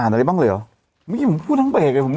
ทำไมยังไม่อ่านอะไรบ้างเลยหรอ